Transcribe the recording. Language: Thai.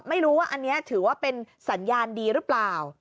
ไม่รู้ว่าอันนี้ถือว่าเป็นสัญญาณดีหรือเปล่า